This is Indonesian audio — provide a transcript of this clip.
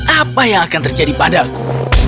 apa yang akan terjadi padaku